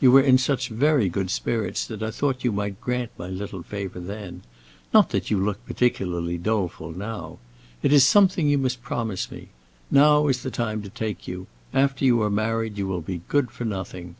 You were in such very good spirits that I thought you might grant my little favor then; not that you look particularly doleful now. It is something you must promise me; now is the time to take you; after you are married you will be good for nothing.